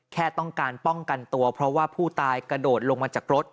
แค่ต้องการป้องกันตัวเพราะว่าผู้ตายกระโดดลงมาจากรถ